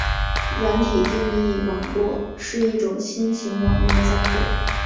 软体定义网路是一种新型网络架构。